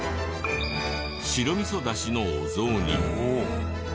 白味噌だしのお雑煮。